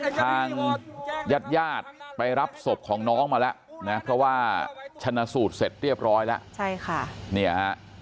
ทางญาติญาติไปรับศพของน้องมาแล้วนะเพราะว่าชนะสูตรเสร็จเรียบร้อยแล้วใช่ค่ะเนี่ยฮะ